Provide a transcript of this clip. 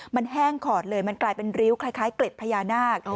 มันแห้งขอดเลยมันกลายเป็นริ้วคล้ายเกล็ดพญานาค